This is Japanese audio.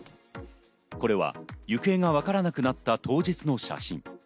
これは行方がわからなくなった当日の写真。